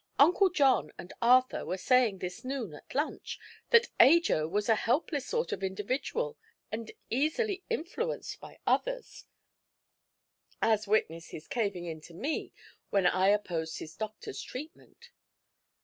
"Uncle John and Arthur were saying this noon, at lunch, that Ajo was a helpless sort of individual and easily influenced by others as witness his caving in to me when I opposed his doctor's treatment.